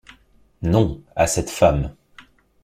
Non, à cette femme.